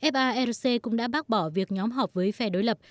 farc cũng đã bác bỏ việc nhóm họp với phe đối lập